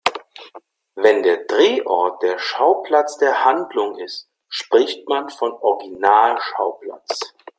Wenn der Drehort der Schauplatz der Handlung ist, spricht man von Originalschauplatz.